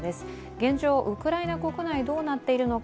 現状、ウクライナ国内、どうなっているのか。